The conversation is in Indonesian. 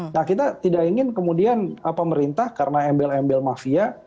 nah kita tidak ingin kemudian pemerintah karena embel embel mafia